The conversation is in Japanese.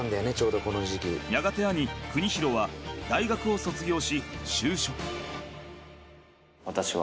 やがて兄邦裕は大学を卒業し就職。